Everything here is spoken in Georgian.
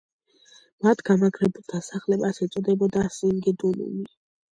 მათ გამაგრებულ დასახლებას ეწოდებოდა სინგიდუნუმი.